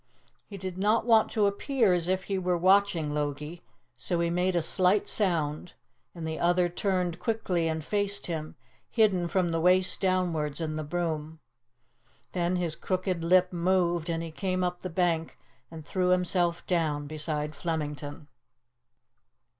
He did not want to appear as if he were watching Logie, so he made a slight sound, and the other turned quickly and faced him, hidden from the waist downwards in the broom. Then his crooked lip moved, and he came up the bank and threw himself down beside Flemington.